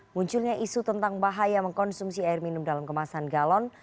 munculnya isu tentang bahaya mengkonsumsi air minum dalam kemasan galon